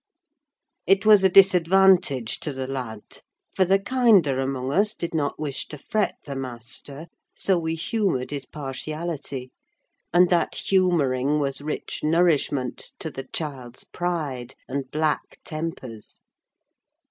It was a disadvantage to the lad; for the kinder among us did not wish to fret the master, so we humoured his partiality; and that humouring was rich nourishment to the child's pride and black tempers.